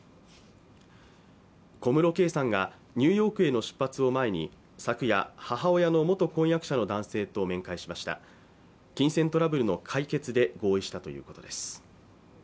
小室圭さんがニューヨークへの出発を前に昨夜母親の元婚約者の男性と面会しました金銭トラブルの解決で合意したということです